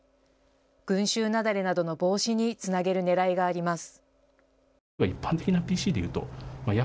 群集雪崩などの防止につなげるねらいがあります。